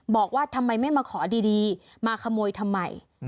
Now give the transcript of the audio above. บอกว่าทำไมไม่มาขอดีมาขโมยทำไม